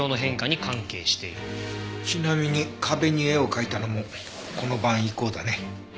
ちなみに壁に絵を描いたのもこの晩以降だね。